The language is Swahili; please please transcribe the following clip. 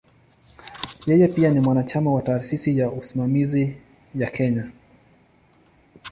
Yeye pia ni mwanachama wa "Taasisi ya Usimamizi ya Kenya".